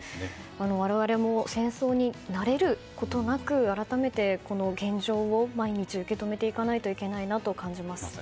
我々も戦争に慣れることなく改めて、この現状を毎日、受け止めていかないといけないなと感じます。